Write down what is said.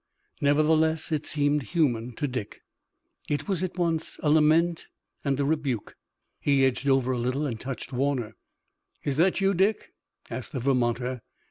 Nevertheless it seemed human to Dick. It was at once a lament and a rebuke. He edged over a little and touched Warner. "Is that you, Dick?" asked the Vermonter.